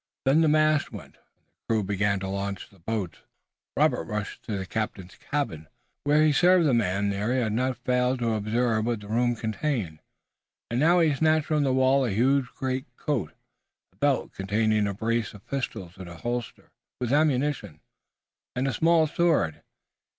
Then the mast went, and the crew began to launch the boats. Robert rushed to the captain's cabin. When he served the man there he had not failed to observe what the room contained, and now he snatched from the wall a huge greatcoat, a belt containing a brace of pistols in a holster with ammunition, and a small sword.